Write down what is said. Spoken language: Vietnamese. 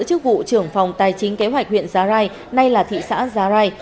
chức vụ trưởng phòng tài chính kế hoạch huyện giá rai nay là thị xã giá rai